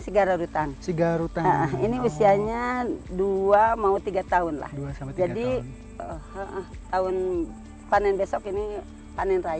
sigara rutang sigara rutang ini usianya dua tiga tahun lah jadi tahun panen besok ini panen raya